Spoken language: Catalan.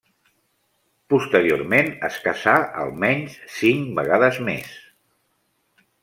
Posteriorment es casà almenys cinc vegades més.